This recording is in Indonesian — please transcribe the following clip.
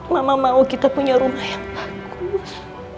mama mau kita punya rumah yang bagus